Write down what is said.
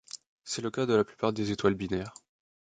C'est le cas de la plupart des étoiles binaires.